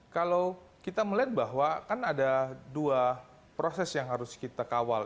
kalau kita melihat bahwa kan ada dua proses yang harus kita kawal